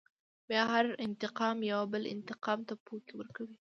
بيا هر انتقام يوه بل انتقام ته پوکی ورکوي.